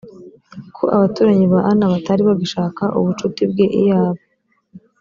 ko abaturanyi ba anna batari bagishaka ubushuti bwe iyaba